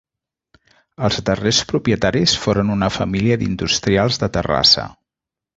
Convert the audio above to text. Els darrers propietaris foren una família d'industrials de Terrassa.